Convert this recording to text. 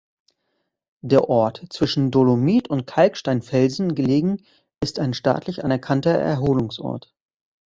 Der Ort, zwischen Dolomit- und Kalksteinfelsen gelegen, ist ein staatlich anerkannter Erholungsort.